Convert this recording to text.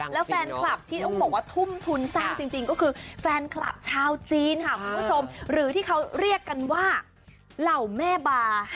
แล้วแฟนคลับที่ต้องบอกว่าทุ่มทุนสร้างจริงก็คือแฟนคลับชาวจีนค่ะคุณผู้ชมหรือที่เขาเรียกกันว่าเหล่าแม่บา